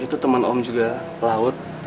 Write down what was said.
itu teman om juga pelaut